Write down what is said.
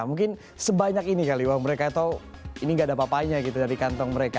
mungkin sebanyak ini kali mereka tahu ini nggak ada apa apanya dari kantong mereka